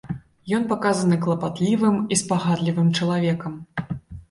Ён паказаны клапатлівым і спагадлівым чалавекам.